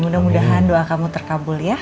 mudah mudahan doa kamu terkabul ya